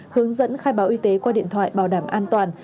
hướng dẫn khai báo y tế qua điện thoại bảo đảm an toàn